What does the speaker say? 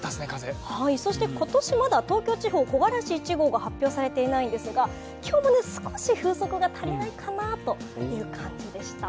そして今年、まだ東京地方、木枯らし１号が発表されていないんですが今日も少し風速が足りないかなという感じでした。